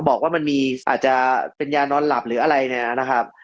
บอกว่ามันมีอาจจะเป็นยานอนหลับหรืออะไรเนี่ยนะครับ